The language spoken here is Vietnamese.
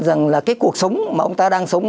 rằng là cái cuộc sống mà ông ta đang sống